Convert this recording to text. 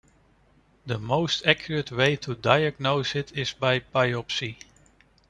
The most accurate way to diagnose it is by biopsy.